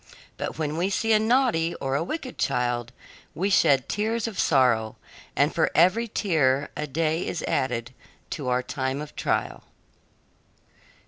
But when we see a naughty or a wicked child we shed tears of sorrow, and for every tear a day is added to our time of trial."